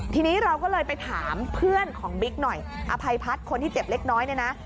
ทีนี้เราก็เลยไปถามเพื่อนของบิ๊กหน่อยอภัยพัฒน์คนที่เจ็บเล็กน้อยเนี่ยนะ